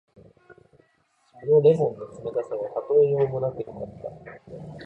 その檸檬の冷たさはたとえようもなくよかった。